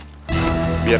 udah pak gausah pak